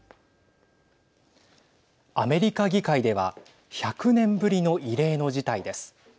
アメリカ議会では１００年ぶりの異例の事態です。